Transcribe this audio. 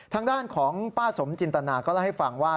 ทางด้านของป้าสมจินตนาก็เล่าให้ฟังว่า